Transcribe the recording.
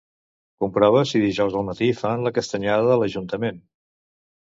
Comprova si dijous al matí fan la castanyada a l'Ajuntament.